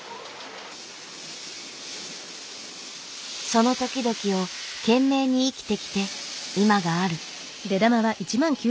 その時々を懸命に生きてきて今がある。